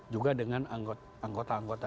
juga dengan anggota anggota